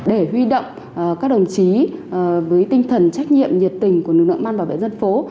để huy động các đồng chí với tinh thần trách nhiệm nhiệt tình của lực lượng ban bảo vệ dân phố